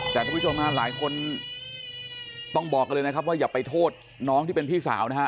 แต่ทุกผู้ชมฮะหลายคนต้องบอกกันเลยนะครับว่าอย่าไปโทษน้องที่เป็นพี่สาวนะฮะ